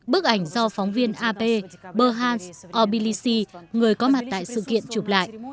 bức ảnh do phóng viên ap berhans obilisi người có mặt tại sự kiện chụp lại